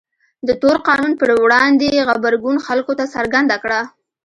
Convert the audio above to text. د تور قانون پر وړاندې غبرګون خلکو ته څرګنده کړه.